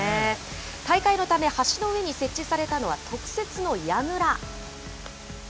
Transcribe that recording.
大会のため、橋の上に設置されたのは、特設のやぐら。